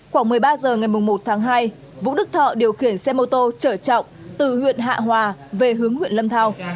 khoảng một mươi ba h ngày một tháng hai vũ đức thọ điều khiển xe mô tô chở trọng từ huyện hạ hòa về hướng huyện lâm thao